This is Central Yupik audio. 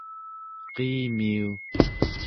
qiimiu